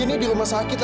ini di rumah sakit